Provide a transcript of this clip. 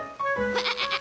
アハハハ。